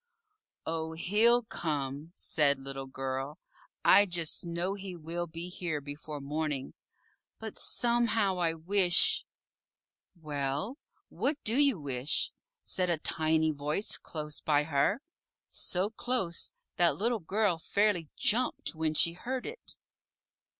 "Oh, he'll come," said Little Girl; "I just know he will be here before morning, but somehow I wish " "Well, what do you wish?" said a Tiny Voice close by her so close that Little Girl fairly jumped when she heard it.